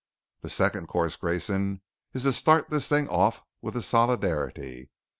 "The second course, Grayson, is to start this thing off with a solidarity.